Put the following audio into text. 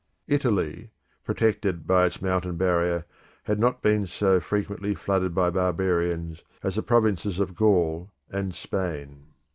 Italy, protected by its mountain barrier, had not been so frequently flooded by barbarians as the provinces of Gaul and Spain.